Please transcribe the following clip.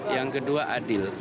yang kedua adil